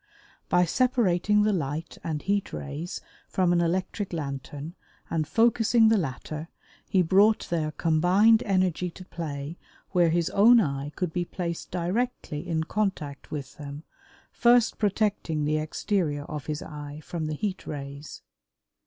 By separating the light and heat rays from an electric lantern and focusing the latter, he brought their combined energy to play where his own eye could be placed directly in contact with them, first protecting the exterior of his eye from the heat rays.